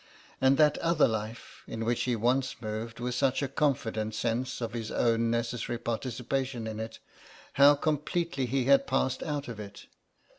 And that other life, in which he once moved with such confident sense of his own necessary participation in it, how completely he had passed out of it.